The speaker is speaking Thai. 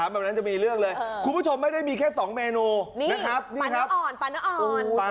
ไม่มีเรื่องเลยคุณผู้ชมไม่ได้มีแค่๒เมนู